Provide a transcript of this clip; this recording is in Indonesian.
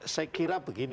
saya kira begini